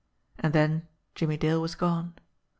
And then Jimmie Dale was gone.